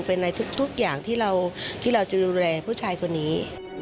เป็นในทุกอย่างที่เราจะดูแลผู้ชายคนนี้